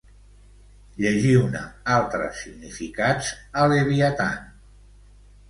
Llegiu-ne altres significats a «Leviatan».